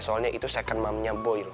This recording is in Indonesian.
soalnya itu second mamnya boy loh